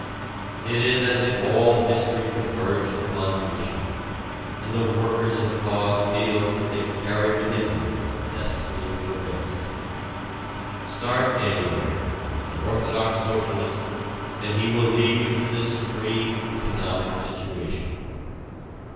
It is as if all history converged upon the issue, and the workers in the cause feel that they carry within them the destiny of the race. Start anywhere, with an orthodox socialist and he will lead you to this supreme economic situation.